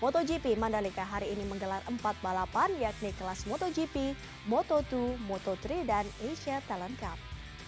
motogp mandalika hari ini menggelar empat balapan yakni kelas motogp moto dua moto tiga dan asia talent cup